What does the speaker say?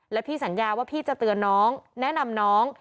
แล้วพี่สัญญาว่าพี่จะเตือนน้องแนะนำน้อง